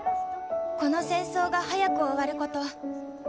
この戦争が早く終わること。